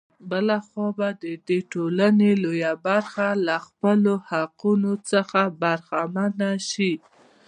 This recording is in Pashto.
بـله خـوا بـه د دې ټـولـنې لـويه بـرخـه لـه خپـلـو حـقـونـو څـخـه بـرخـمـنـه شـي.